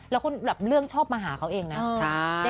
แล้วคนแบบเรื่องชอบมาหาเขาเองนะ